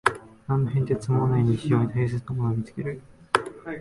何の変哲もない日常に大切なものを見つける